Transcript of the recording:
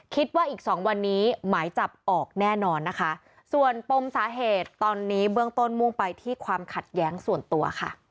คิดว่าอีกสองวันนี้หมายจับออกแน่นอนนะคะส่วนปมสาเหตุตอนนี้เบื้องต้นมุ่งไปที่ความขัดแย้งส่วนตัวค่ะ